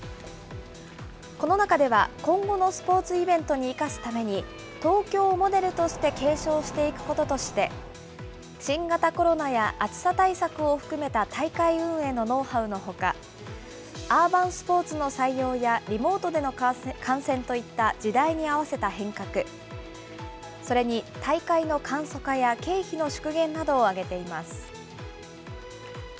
この中では、今後のスポーツイベントに生かすために、東京モデルとして継承していくこととして、新型コロナや暑さ対策を含めた大会運営のノウハウのほか、アーバンスポーツの採用や、リモートでの観戦といった時代に合わせた変革、それに大会の簡素化や経費の縮減などを挙げています。